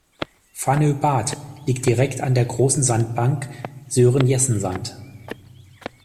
Fanø Bad liegt direkt an der großen Sandbank "Søren Jessen Sand".